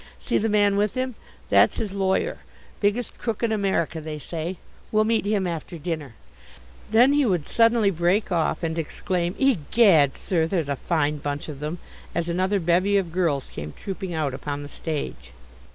See the man with him? That's his lawyer, biggest crook in America, they say; we'll meet him after dinner." Then he would suddenly break off and exclaim: "Egad, sir, there's a fine bunch of them," as another bevy of girls came trooping out upon the stage.